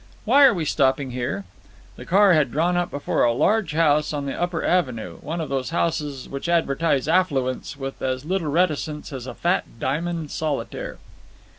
Why are we stopping here?" The car had drawn up before a large house on the upper avenue, one of those houses which advertise affluence with as little reticence as a fat diamond solitaire.